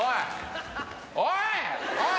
おい。